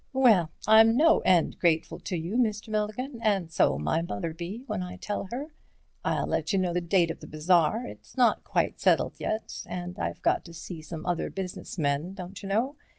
"Well, I'm no end grateful to you, Mr. Milligan, and so'll my mother be when I tell her. I'll let you know the date of the bazaar—it's not quite settled yet, and I've got to see some other business men, don't you know.